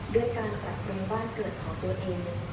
ด้วยการปรับปรุงบ้านเกิดของตัวเอง